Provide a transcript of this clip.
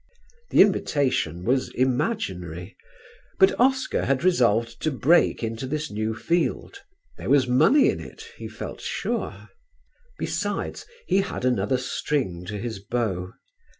The invitation was imaginary; but Oscar had resolved to break into this new field; there was money in it, he felt sure. Besides he had another string to his bow.